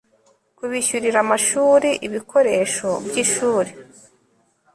Kubishyurira amashuri ibikoresho by ishuri